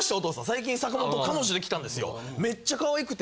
最近阪本彼女できたんですよ」。